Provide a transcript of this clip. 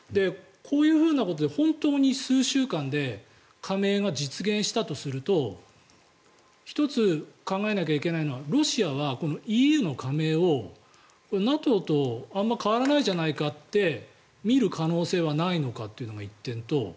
こういうことで本当に数週間で加盟が実現したとすると１つ考えなきゃいけないのはロシアはＥＵの加盟をＮＡＴＯとあまり変わらないじゃないかって見る可能性はないのかっていうのが１点と。